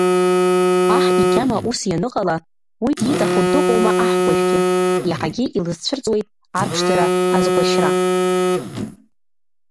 Аҳ игьама ус ианыҟала, уи диҵахо дыҟоума аҳкуажәгьы, иаҳагьы илызцәырҵуеит арԥшӡара азгуашьра!